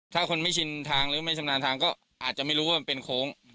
ถ้าคนไม่ชินทางหรือไม่ชำนาญทางก็อาจจะไม่รู้ว่ามันเป็นโค้ง